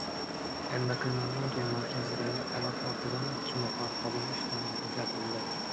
Endokrinologiya markazidagi holat ortidan ikki nafar xodim ishdan bo‘shatildi